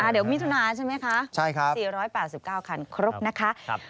เดี๋ยวมิถุนาใช่ไหมคะ๔๘๙คันครบนะคะ